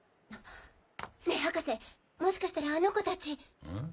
ねぇ博士もしかしたらあの子たち。